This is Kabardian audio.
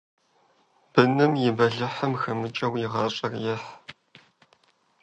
Быным и бэлыхьым хэмыкӀыу и гъащӀэр ехь.